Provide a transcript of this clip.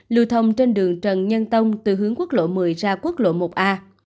lưu thông trên đường trần nhân tông từ hướng quốc lộ một mươi ra quốc lộ một a